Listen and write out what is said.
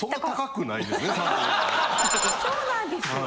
そうなんです。